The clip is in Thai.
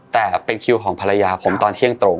แต่เป็นคิวของภรรยาผมตอนเที่ยงตรง